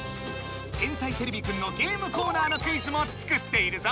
「天才てれびくん」のゲームコーナーのクイズも作っているぞ！